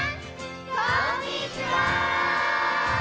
こんにちは！